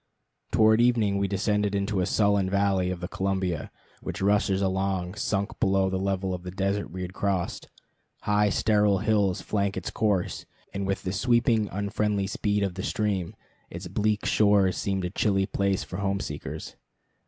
Toward evening we descended into the sullen valley of the Columbia, which rushes along, sunk below the level of the desert we had crossed. High sterile hills flank its course, and with the sweeping, unfriendly speed of the stream, its bleak shores seemed a chilly place for home seekers.